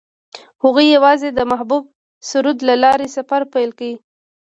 هغوی یوځای د محبوب سرود له لارې سفر پیل کړ.